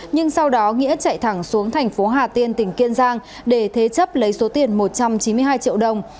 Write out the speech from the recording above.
nhưng sau đó nghĩa chạy thẳng xuống thành phố hà tiên tỉnh kiên giang để thế chấp lấy số tiền một trăm chín mươi hai triệu đồng